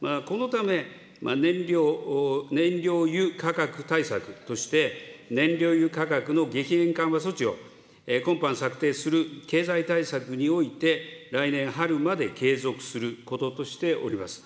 このため、燃料油価格対策として、燃料油価格の激変緩和措置を今般策定する経済対策において来年春まで継続することとしております。